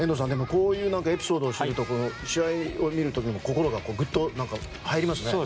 こういうエピソードを知ると試合を見る時にも心がグッと入りますね。